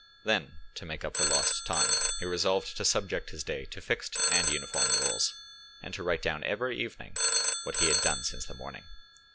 Then, to make up for lost time, he resolved to subject his day to fixed and uniform rules, and to write down every evening what he had done since the morning.